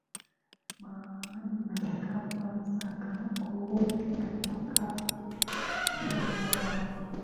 Mahakama za kangaroo zikapata sana wahanga